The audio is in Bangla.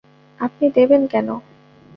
আপনি দেবেন কেন?